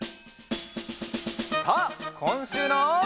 さあこんしゅうの。